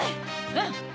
うん！